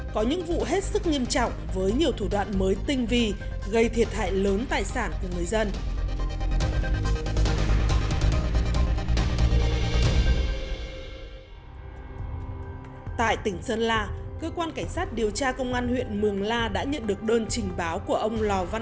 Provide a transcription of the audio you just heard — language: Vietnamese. có những vụ hết sức nghiêm trọng với nhiều thủ đoạn mới tinh vi gây thiệt hại lớn tài sản của người dân